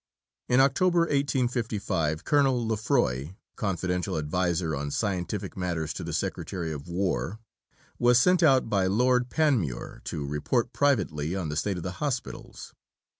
In October 1855 Colonel Lefroy, confidential adviser on scientific matters to the Secretary for War, was sent out by Lord Panmure to report privately on the state of the hospitals.